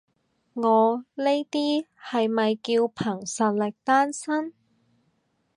你呢啲係咪叫憑實力單身？